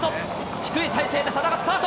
低い体勢でただスタート。